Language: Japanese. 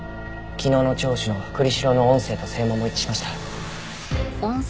昨日の聴取の栗城の音声と声紋も一致しました。